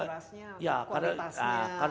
ternyata berasnya kualitasnya